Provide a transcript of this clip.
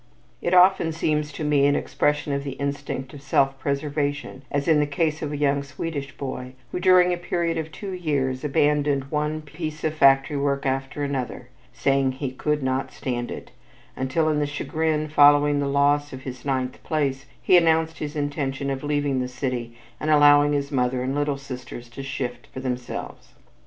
It often seems to me an expression of the instinct of self preservation, as in the case of a young Swedish boy who during a period of two years abandoned one piece of factory work after another, saying "he could not stand it," until in the chagrin following the loss of his ninth place he announced his intention of leaving the city and allowing his mother and little sisters to shift for themselves.